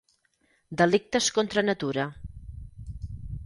Delictes contra natura.